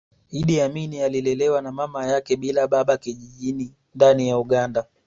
Iddi Amin alilelewa na mama yake bila baba kijijini ndani ya Uganda